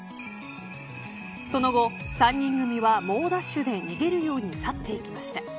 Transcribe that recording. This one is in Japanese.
その後、３人組は猛ダッシュで逃げるように去っていきました。